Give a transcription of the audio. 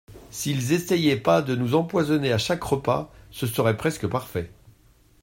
s’ils essayaient pas de nous empoisonner à chaque repas, ce serait presque parfait.